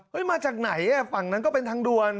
มาจากไหนฝั่งนั้นก็เป็นทางด่วน